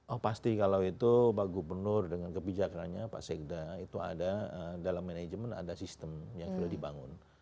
oh pasti kalau itu pak gubernur dengan kebijakannya pak sekda itu ada dalam manajemen ada sistem yang sudah dibangun